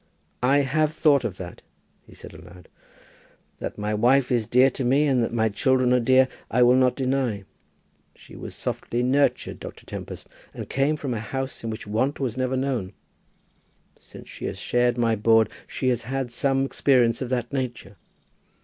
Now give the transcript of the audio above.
"I have thought of that," he said aloud. "That my wife is dear to me, and that my children are dear, I will not deny. She was softly nurtured, Dr. Tempest, and came from a house in which want was never known. Since she has shared my board she has had some experience of that nature.